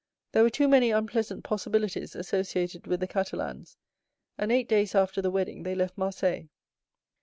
There were too many unpleasant possibilities associated with the Catalans, and eight days after the wedding they left Marseilles."